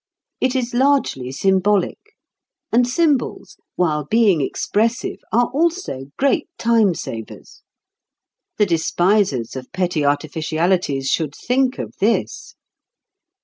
It is largely symbolic; and symbols, while being expressive, are also great time savers. The despisers of petty artificialities should think of this.